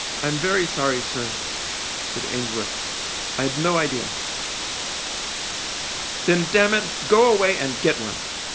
"I'm very sorry, sir," said Ainsworth. " I'd no idea "" Then, damn it, go away and get one.